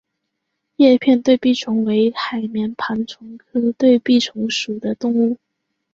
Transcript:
叶片对臂虫为海绵盘虫科对臂虫属的动物。